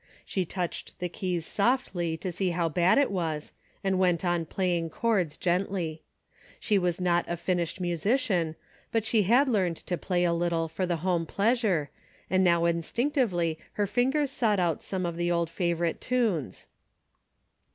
She touched the keys softly to see how bad it was, and went on playing chords gently. She was not a finished musician, but she had learned to play a little for the home pleasure, and now instinctively her fingers sought out some of the old favorite tunes.